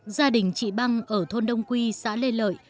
gia đình chị băng ở thôn đông quy xã lê lợi